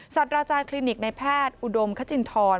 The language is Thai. สัตว์อาจารย์คลินิกในแพทย์อุดมคจินทร